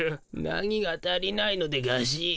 何が足りないのでガシ。